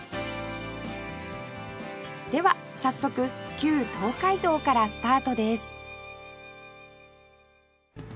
では早速旧東海道からスタートです